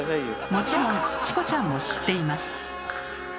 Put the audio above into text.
もちろんチコちゃんも知っています。